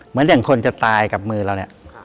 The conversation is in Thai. เหมือนอย่างคนจะตายกับมือเราเนี่ย